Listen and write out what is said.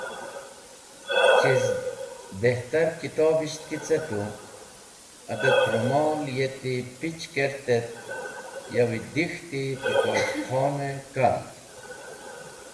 Chiz bihter kitobish ki ce tu, adet rumol yeti pich kert et yavi dek̃hti pẽ Tosh khon-e kal.